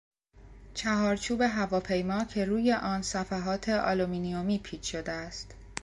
چهارچوب هواپیما که روی آن صفحات آلومینیمی پیچ شده است